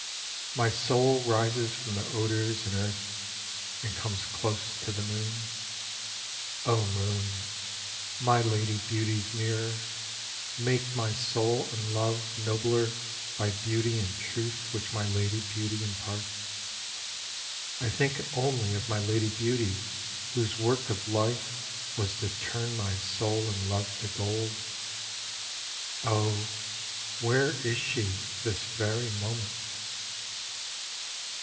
My soul rises from the odours and earth, and comes close to the moon. O Moon ! my Lady Beauty's mirror, make my soul and Love nobler by Beauty and Truth which my Lady Beauty imparts. I think only of my Lady Beauty whose work of life was to turn my soul and Love to gold. Oh, where is she, this very moment?